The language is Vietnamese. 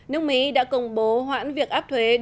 nước mỹ đã công bố hoãn việc áp mức thuế mới